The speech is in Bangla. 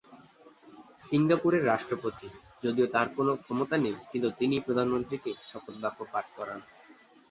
সিঙ্গাপুরের রাষ্ট্রপতি যদিও তার কোনো ক্ষমতা নেই কিন্তু তিনিই প্রধানমন্ত্রীকে শপথ বাক্য পাঠ করান।